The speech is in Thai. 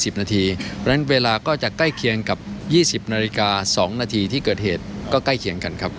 เพราะฉะนั้นเวลาก็จะใกล้เคียงกับ๒๐นาฬิกา๒นาทีที่เกิดเหตุก็ใกล้เคียงกันครับ